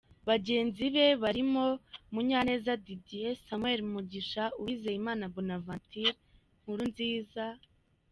bagenzi be barimo; Munyaneza Didier, Samuel Mugisha, Uwizeyimana Boanaventure, Nkurunziza